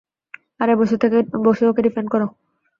আরে, বসে ওকে ডিফেন্ড করো।